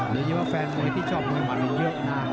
โดยเชื่อว่าแฟนมวยที่ชอบมวยมัดมันเยอะนะ